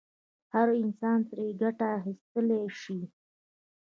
هر انسان ترې ګټه اخیستلای شي.